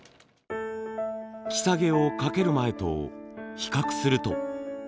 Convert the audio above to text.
キサゲをかける前と比較すると。